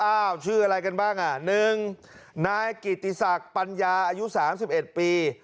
ชื่ออะไรกันบ้างอ่ะ๑นายกิติศักดิ์ปัญญาอายุ๓๑ปี